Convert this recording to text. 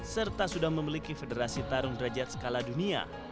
serta sudah memiliki federasi tarung derajat skala dunia